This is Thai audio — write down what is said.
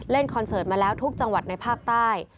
คอนเสิร์ตมาแล้วทุกจังหวัดในภาคใต้